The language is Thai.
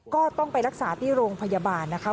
ก็ต้องไปรักษาที่โรงพยาบาลนะคะ